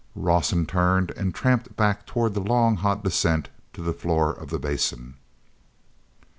Rawson turned and tramped back toward the long hot descent to the floor of the Basin.